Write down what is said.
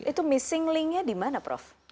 itu missing link nya di mana prof